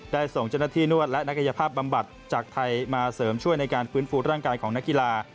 ส่งเจ้าหน้าที่นวดและนักกายภาพบำบัดจากไทยมาเสริมช่วยในการฟื้นฟูร่างกายของนักกีฬา